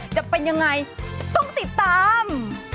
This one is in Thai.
จะเป็นยังไงต้องติดตาม